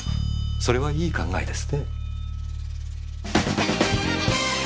それはいい考えですね。